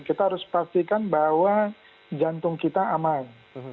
kita harus pastikan bahwa jantung kita aman